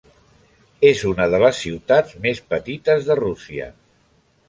És una de les ciutats més petites de Rússia.